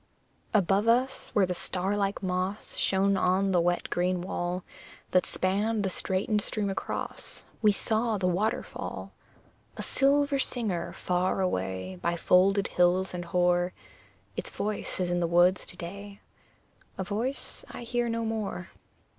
Above us, where the star like moss Shone on the wet, green wall That spanned the straitened stream across, We saw the waterfall A silver singer far away, By folded hills and hoar; Its voice is in the woods to day A voice I hear no more.